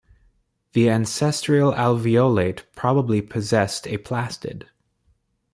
The ancestral alveolate probably possessed a plastid.